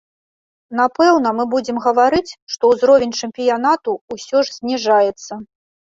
Напэўна, мы будзем гаварыць, што ўзровень чэмпіянату ўсё ж зніжаецца.